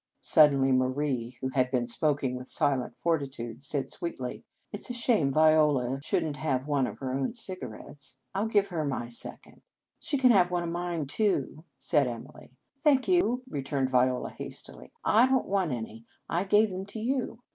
Suddenly Marie, who had been smok ing with silent fortitude, said sweetly: " It s a shame Viola should n t have one of her own cigarettes. I 11 give her my second." " She can have one of mine, too," said Emily. " Thank you," returned Viola has tily. " I don t want any. I gave them to you."